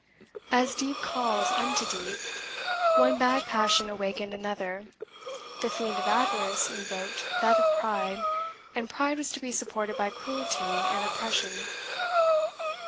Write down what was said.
As Deep calls unto Deep, one bad passion awakened another the fiend of avarice invoked that of pride, and pride was to be supported by cruelty and oppression.